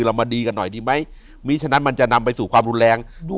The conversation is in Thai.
เรามาดีกันหน่อยดีไหมมีฉะนั้นมันจะนำไปสู่ความรุนแรงดู